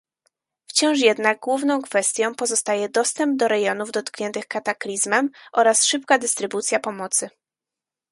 Wciąż jednak główną kwestią pozostaje dostęp do rejonów dotkniętych kataklizmem oraz szybka dystrybucja pomocy